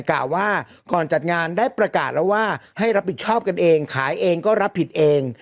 กล่าวว่าก่อนจัดงานได้ประกาศแล้วว่าให้รับผิดชอบกันเองขายเองก็รับผิดเอง